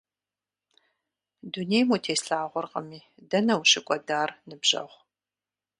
Дунейм утеслъагъуэркъыми, дэнэ ущыкӀуэдар, ныбжьэгъу?